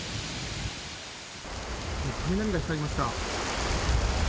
雷が光りました。